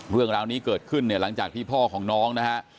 เรื่องราวนี้เกิดขึ้นเนี่ยหลังจากที่พ่อของน้องนะฮะ